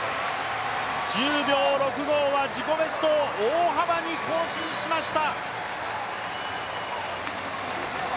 １０秒６５は自己ベストを大幅に更新しました。